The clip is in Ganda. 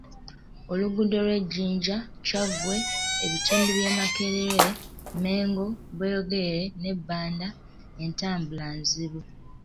Oluguudo lwa Jinja, Kyaggwe, ebitundu bya Makerere, Mengo, Bweyogerere ne Banda, entambula nzibu.